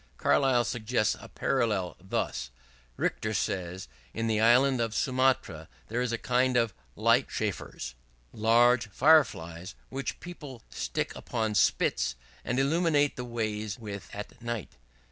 Carlyle suggests a parallel thus: "Richter says, in the Island of Sumatra there is a kind of 'Light chafers,' large Fire flies, which people stick upon spits, and illuminate the ways with at night.